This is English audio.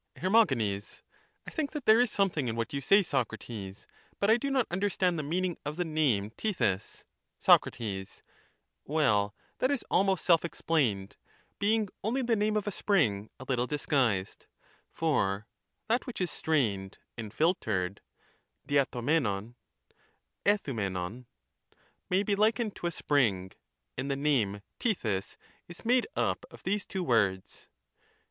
Her. I think that there is something in what you say, Socrates ; but I do not understand the meaning of the name xethys. Tethys. Soc. Well, that is almost self explained, being only the name of a spring, a little disguised ; for that which is strained and filtered (Jmrrwjuevor', r]Qov\itvov) may be likened to a spring, and the name Tethys is made up of these two words.